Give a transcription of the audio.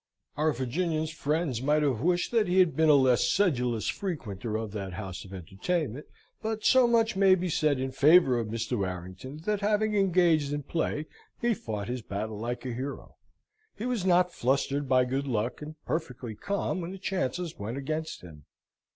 Our Virginian's friends might have wished that he had been a less sedulous frequenter of that house of entertainment; but so much may be said in favour of Mr. Warrington that, having engaged in play, he fought his battle like a hero. He was not flustered by good luck, and perfectly calm when the chances went against him.